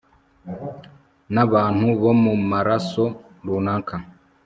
Nabantu bo mumaraso runaka